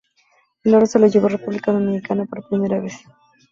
El oro se lo llevó República Dominicana por primera vez.